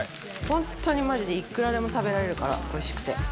本当にマジでいくらでも食べられるからおいしくて。